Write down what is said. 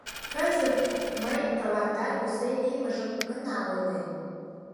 Кызыт мый тыланда кузе лиймыжым гына ойлем...